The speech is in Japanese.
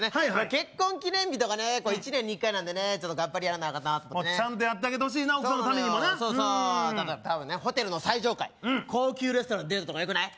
結婚記念日とかね１年に１回なんでねやらなアカンなと思ってねちゃんとやってあげてほしいな奥さんのためにもなそうそうホテルの最上階高級レストランでデートとかよくない？